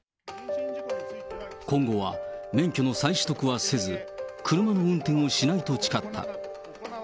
今後は免許の再取得はせず、車の運転をしないと誓った。